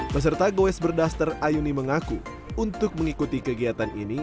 peserta goes berduster ayuni mengaku untuk mengikuti kegiatan ini